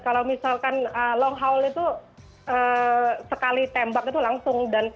kalau misalkan long haul itu sekali tembak itu langsung